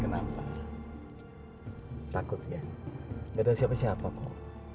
kenapa takut ya gak ada siapa siapa kok